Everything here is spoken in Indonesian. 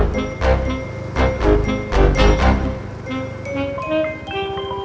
saya sudah berhenti